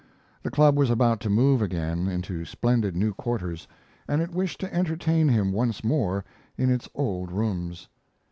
The club was about to move again, into splendid new quarters, and it wished to entertain him once more in its old rooms.